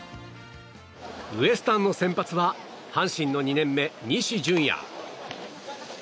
ウエスタンの先発は阪神の２年目、西純矢。